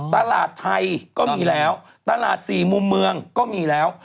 ตลาดไทยก็มีแล้วตลาดสี่มุมเมืองก็มีแล้ว